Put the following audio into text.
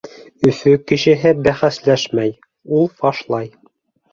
Өфө кешеһе бәхәсләшмәй, ул фашлай.